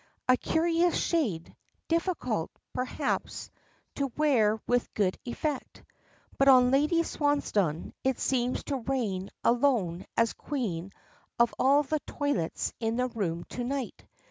A curious shade, difficult, perhaps, to wear with good effect; but on Lady Swansdown it seems to reign alone as queen of all the toilets in the rooms to night.